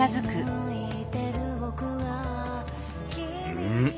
うん？